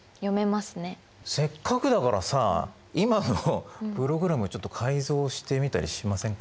せっかくだからさ今のプログラムちょっと改造してみたりしませんか。